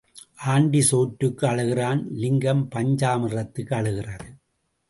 Aunty சோற்றுக்கு அழுகிறான் லிங்கம் பஞ்சாமிர்தத்துக்கு அழுகிறது.